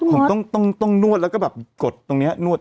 ผมต้องนวดแล้วก็แบบกดตรงนี้นวด